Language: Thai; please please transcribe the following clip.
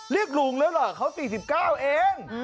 เรียกลุงแล้วเหรอเขา๔๙เอง